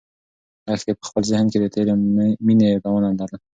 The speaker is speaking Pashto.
لښتې په خپل ذهن کې د تېرې مېنې یادونه لرل.